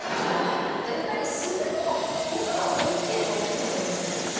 やっぱり鈴も音が大きければ大きいほどいいんですよ。